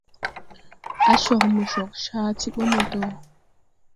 A cog mo cog, caa ti bo mo dɔɔ.